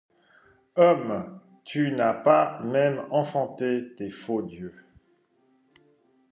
Homme, tu n’as pas même enfanté tes faux dieux.